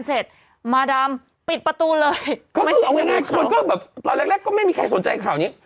เสร็จปิดประตูเลยก็ตอนแรกแรกก็ไม่มีใครสนใจข่าวนี้